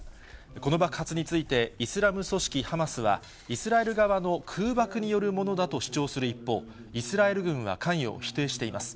この爆発についてイスラム組織ハマスは、イスラエル側の空爆によるものだと主張する一方、イスラエル軍は関与を否定しています。